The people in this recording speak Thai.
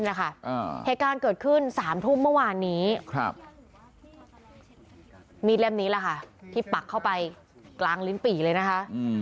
เหตุการณ์เกิดขึ้น๓ทุ่มเมื่อวานนี้มีดเล่มนี้แหละค่ะที่ปักเข้าไปกลางลิ้นปี่เลยนะคะ